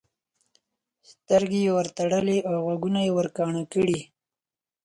سترګې یې ورتړلې او غوږونه یې ورکاڼه کړي.